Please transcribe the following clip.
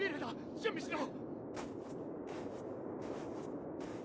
準備しろ！